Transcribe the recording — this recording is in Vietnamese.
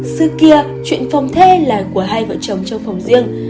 xưa kia chuyện phòng thê là của hai vợ chồng trong phòng riêng